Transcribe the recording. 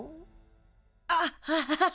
アハハハハ。